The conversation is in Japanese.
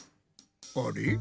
あれ？